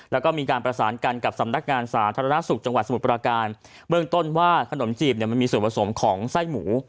แล้วก็มีการประสานกันกับสำนักงานสาธารณสุขจังหวัดสมุทรปราการเบื้องต้นว่าขนมจีบเนี่ยมันมีส่วนผสมของไส้หมู